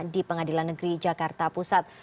di pengadilan negeri jakarta pusat